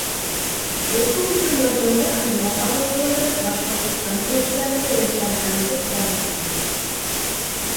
Республика йортонда хеҙмәт алдынғыларын Башҡортостан Президенты Рөстәм Хәмитов тәбрикләне: